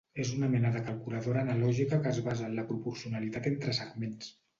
És una mena de calculadora analògica que es basa en la proporcionalitat entre segments.